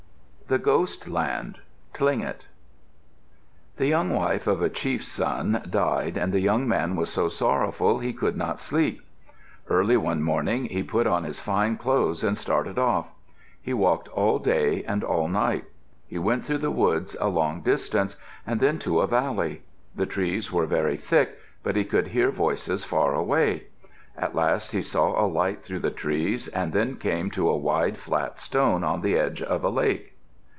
THE GHOST LAND Tlingit The young wife of a chief's son died and the young man was so sorrowful he could not sleep. Early one morning he put on his fine clothes and started off. He walked all day and all night. He went through the woods a long distance, and then to a valley. The trees were very thick, but he could hear voices far away. At last he saw light through the trees and then came to a wide, flat stone on the edge of a lake.